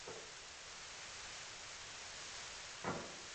এমন রাজনৈতিক কর্মসূচি দেওয়া ঠিক হবে না, যাতে দেশের অর্থনীতি ক্ষতিগ্রস্ত হয়।